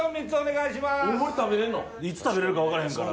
いつ食べられるか分からへんから。